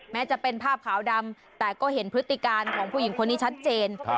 แม้จะเป็นภาพขาวดำแต่ก็เห็นพฤติการของผู้หญิงคนนี้ชัดเจน